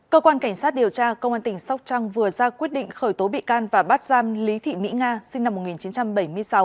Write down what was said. cơ quan cảnh sát điều tra công an tỉnh sóc trăng vừa ra quyết định khởi tố bị can và bắt giam lý thị mỹ nga sinh năm một nghìn chín trăm bảy mươi sáu